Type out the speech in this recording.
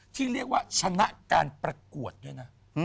ที่เรียกว่าชนะการประกวดด้วยนะ